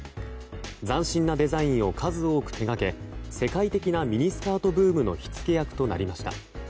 斬新なデザインを数多く手がけ世界的なミニスカートブームの火付け役となりました。